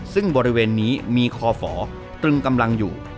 ซึ่งบริเวณนี้มีคอฝรึงกำลังอยู่